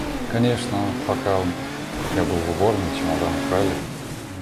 Конечно, пока я был в уборной, чемодан украли.